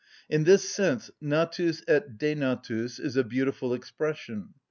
In this sense natus et denatus is a beautiful expression.